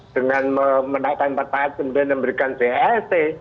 dengan menaikan petaet kemudian memberikan blt